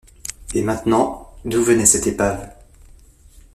Et maintenant, d’où venait cette épave?